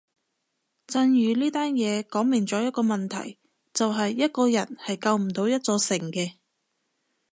震宇呢單嘢講明咗一個問題就係一個人係救唔到一座城嘅